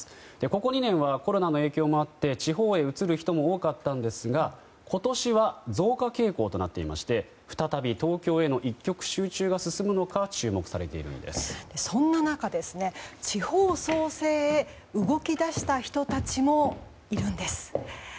ここ２年はコロナの影響もあって地方へ移る人も多かったんですが今年は増加傾向となっていまして再び東京への一極集中が進むのかそんな中地方創生へ動き出した人たちもいるんです。